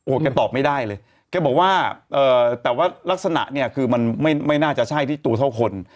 แกตอบไม่ได้เลยแกบอกว่าเอ่อแต่ว่าแต่ว่ารักษณะเนี่ยคือมันไม่น่าจะใช่ที่ตัวเท่าคน